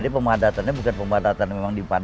jadi pemadatannya bukan pemadatannya memang dipandat